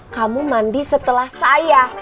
kamu mandi setelah saya